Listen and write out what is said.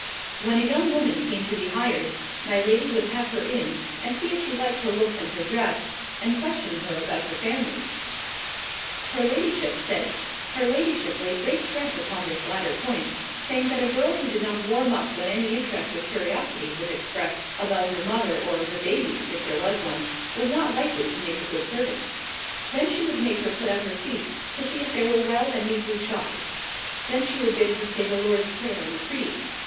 When a young woman came to be hired, my lady would have her in, and see if she liked her looks and her dress, and question her about her family. Her ladyship laid great stress upon this latter point, saying that a girl who did not warm up when any interest or curiosity was expressed about her mother, or the "baby" (if there was one), was not likely to make a good servant. Then she would make her put out her feet, to see if they were well and neatly shod. Then she would bid her say the Lord's Prayer and the Creed.